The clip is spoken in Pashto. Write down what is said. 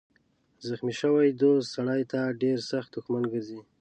زخمي شوی دوست سړی ته ډېر سخت دښمن ګرځي.